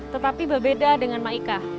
tetapi berbeda dengan maika